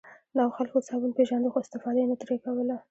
دغو خلکو صابون پېژانده خو استفاده یې نه ترې کوله.